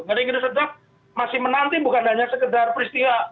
ngeri ngiri sedap masih menanti bukan hanya sekedar peristiwa